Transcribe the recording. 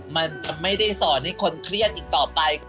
มันจะไม่ได้สอนให้คนเครียดอีกต่อไป